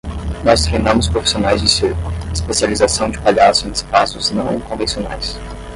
Nós treinamos profissionais de circo: especialização de palhaço em espaços não convencionais.